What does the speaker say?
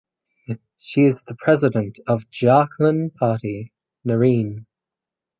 She is the president of Jharkhand Party (Naren).